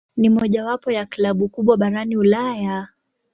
Ni mojawapo ya klabu kubwa barani Ulaya.